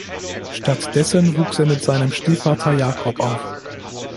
Stattdessen wuchs er mit seinem Stiefvater Jakob auf.